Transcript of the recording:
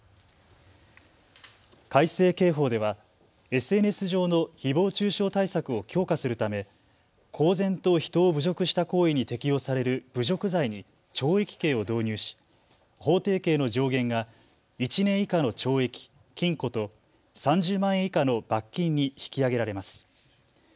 改正刑法ではＳＮＳ上のひぼう中傷対策を強化するため公然と人を侮辱した行為に適用される侮辱罪に懲役刑を導入し、法定刑の上限が１年以下の懲役・禁錮と３０万円以下の罰金に引き上げられます。